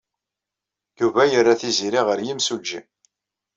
Yuba yerra Tiziri ɣer yimsujji.